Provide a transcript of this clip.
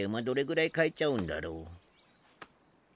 どれぐらい買えちゃうんだろう。